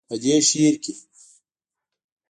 پۀ دې شعر کښې